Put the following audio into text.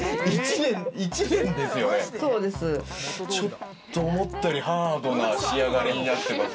ちょっと思ったよりハードな仕上がりになってます。